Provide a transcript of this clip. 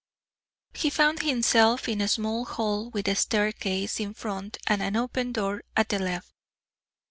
He found himself in a small hall with a staircase in front and an open door at the left.